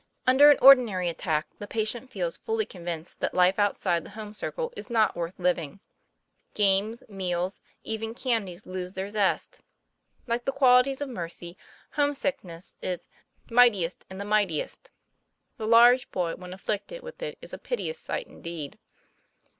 Under an ordinary attack, the patient feels fully convinced that life outside the home circle is not worth living. Games, meals, even candies lose their zest. Like the quality of mercy, homesickness is "mightiest in the mightiest"; the large boy when afflicted with it is a piteous sight indeed.